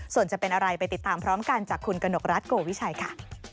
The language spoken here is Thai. ส่วนจะเป็นอะไรไปติดตามพร้อมกันจากคุณกนกรัฐโกวิชัยค่ะ